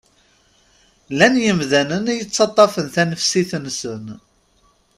Llan yimdanen i yettaṭṭafen tanefsit-nsen.